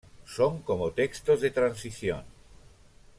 Son como textos de transición.